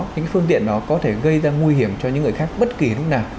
những phương tiện đó có thể gây ra nguy hiểm cho những người khác bất kỳ lúc nào